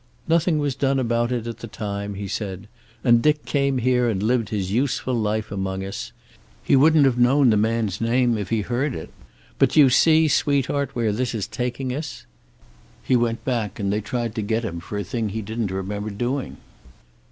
"Nothing was done about it at the time," he said. "And Dick came here and lived his useful life among us. He wouldn't have known the man's name if he heard it. But do you see, sweetheart, where this is taking us? He went back, and they tried to get him, for a thing he didn't remember doing."